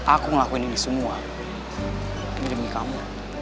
aku ngelakuin ini semua ngirimi kamu